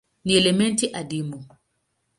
Ni elementi adimu.